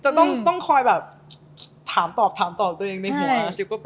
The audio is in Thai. จะต้องคอยแบบถามตอบตัวเองในหัว